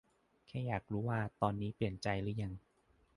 แค่อยากรู้ว่า ตอนนี้เปลี่ยนใจหรือยัง